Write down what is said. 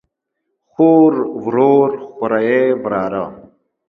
خور، ورور، خوریئ ،وراره